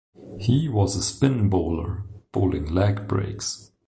He was a spin bowler, bowling leg breaks.